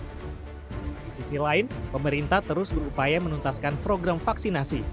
di sisi lain pemerintah terus berupaya menuntaskan program vaksinasi